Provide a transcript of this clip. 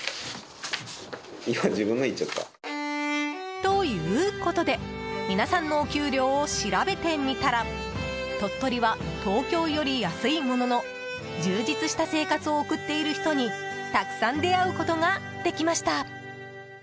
ということで皆さんのお給料を調べてみたら鳥取は東京より安いものの充実した生活を送っている人にたくさん出会うことができました。